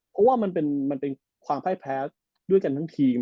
เพราะว่ามันเป็นความพ่ายแพ้ด้วยกันทั้งทีม